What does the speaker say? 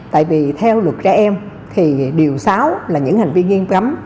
tại vì theo luật trẻ em thì điều sáu là những hành vi nghiêm cấm